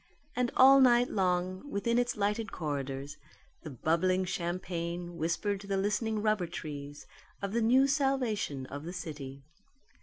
And all night long, within its lighted corridors, the bubbling champagne whispered to the listening rubber trees of the new salvation of the city.